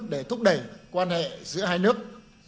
để thúc đẩy quan hệ giữa hai nước